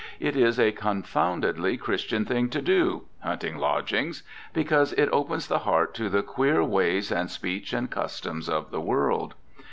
It is a confoundly Christian thing to do hunting lodgings because it opens the heart to the queer ways, and speech, and customs of the world.